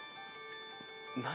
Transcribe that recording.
何？